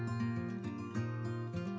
semuanya menjadi su